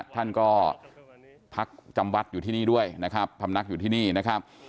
ท่านก็พักจำวัดอยู่ที่นี่ด้วยนะครับ